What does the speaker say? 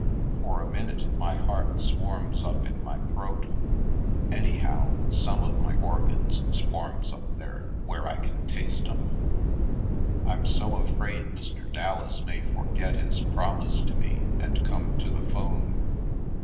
For a minute my heart swarms up in my Sable Plots 221 throat; anyhow, some of my organs swarms up there where I can taste 'em. I'm so afraid Mr. Dallas may forget his promise to me and come to the 'phone!